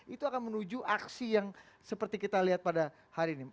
itu akan menuju aksi yang seperti kita lihat pada hari ini